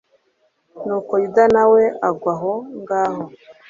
nuko yuda na we agwa aho ngaho